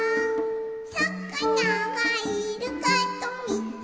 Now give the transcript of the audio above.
「さかながいるかとみてました」